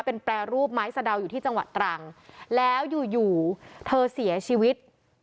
เป็นแปรรูปไม้สะดาวอยู่ที่จังหวัดตรังแล้วอยู่อยู่เธอเสียชีวิต